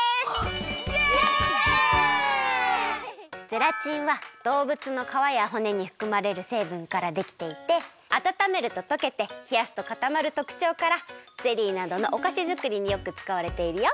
ゼラチンは動物の皮や骨にふくまれるせいぶんからできていてあたためるととけてひやすとかたまるとくちょうからゼリーなどのおかしづくりによくつかわれているよ。